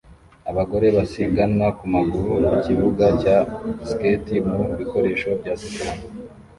Abagore basiganwa ku maguru ku kibuga cya skate mu bikoresho bya siporo